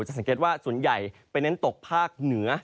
สังเกตว่าส่วนใหญ่ไปเน้นตกภาคเหนือ